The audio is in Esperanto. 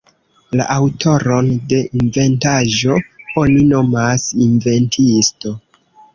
La aŭtoron de inventaĵo oni nomas inventisto.